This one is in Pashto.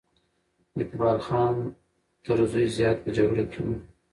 اقبال خان تر زوی زیات په جګړه کې وو.